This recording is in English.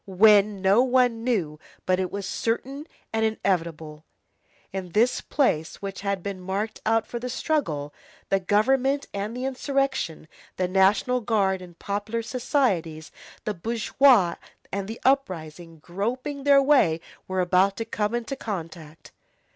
When? No one knew, but it was certain and inevitable. In this place which had been marked out for the struggle, the Government and the insurrection, the National Guard, and popular societies, the bourgeois and the uprising, groping their way, were about to come into contact.